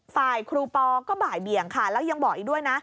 ครูปอก็บ่ายเบี่ยงค่ะแล้วยังบอกอีกด้วยนะ